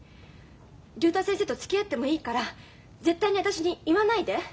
竜太先生とつきあってもいいから絶対に私に言わないで。